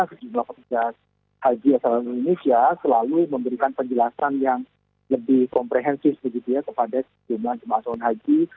hal sebenarnya cumbang haji indonesia selalu memberikan penjelasan yang lebih komprehensif kepada cumbang cumbang haji